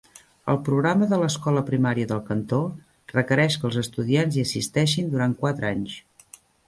El programa de l'escola primària del Cantó requereix que els estudiants hi assisteixin durant quatre anys.